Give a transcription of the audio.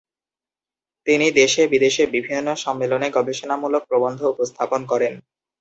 তিনি দেশে-বিদেশে বিভিন্ন সম্মেলনে গবেষণামূলক প্রবন্ধ উপস্থাপন করেন।